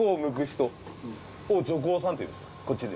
女工さんっていうんですこっちで。